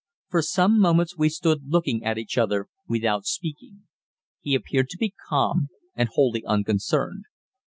For some moments we stood looking at each other without speaking. He appeared to be calm and wholly unconcerned.